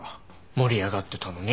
盛り上がってたのに。